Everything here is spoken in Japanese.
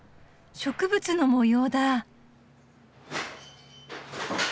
植物の模様だ。